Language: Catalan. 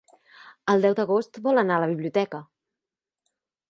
El deu d'agost vol anar a la biblioteca.